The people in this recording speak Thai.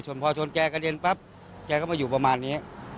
พอชนแกกระเด็นปั๊บแกก็มาอยู่ประมาณนี้